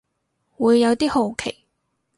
會有啲好奇